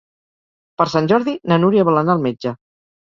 Per Sant Jordi na Núria vol anar al metge.